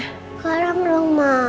sekarang dong ma